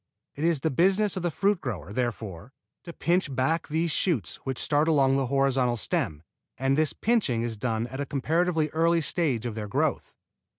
It is the business of the fruit grower, therefore, to pinch back these shoots which start along the horizontal stem, and this pinching is done at a comparatively early stage of their growth.